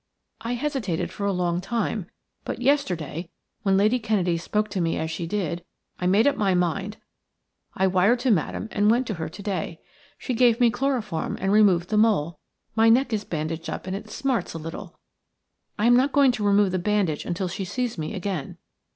I hesitated for a long time, but yesterday, when Lady Kennedy spoke to me as she did, I made up my mind. I wired to Madame and went to her to day. She gave me chloroform and removed the mole. My neck is bandaged up and it smarts a little. I am not to remove the bandage until she sees me again.